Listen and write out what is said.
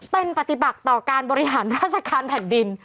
เป็นปฏิบัติต่อการบริหารราชการแผ่นดิน